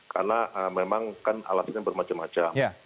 karena memang kan alatnya bermacam macam